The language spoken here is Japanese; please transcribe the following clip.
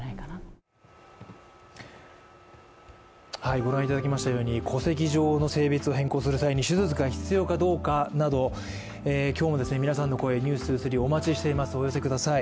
ご覧いただきましたように、戸籍上の性別を変更する際に手術が必要かどうかなど今日も皆さんの声「ｎｅｗｓ２３」お待ちしておりますお寄せください。